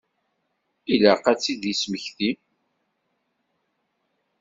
Ilaq ad tt-id-yesmekti.